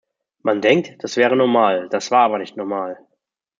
Man denkt, das wäre normal, das war aber nicht normal.